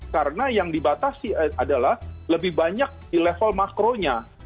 karena yang dibatasi adalah lebih banyak di level makronya